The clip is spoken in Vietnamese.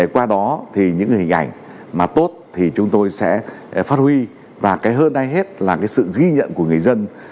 qua đó thì những hình ảnh mà tốt thì chúng tôi sẽ phát huy và cái hơn ai hết là cái sự ghi nhận của người dân